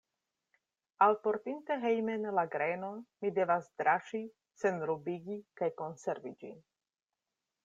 Alportinte hejmen la grenon, mi devas draŝi, senrubigi kaj konservi ĝin.